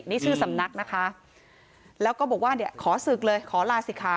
นี่ชื่อสำนักนะคะแล้วก็บอกว่าเนี่ยขอศึกเลยขอลาศิคะ